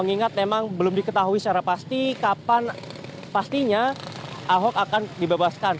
mengingat memang belum diketahui secara pasti kapan pastinya ahok akan dibebaskan